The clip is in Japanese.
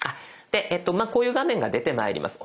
でこういう画面が出てまいります。